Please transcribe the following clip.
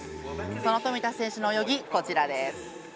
その富田選手の泳ぎ、こちらです。